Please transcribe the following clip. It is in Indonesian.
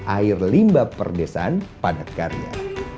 air limba perdesaan padat karya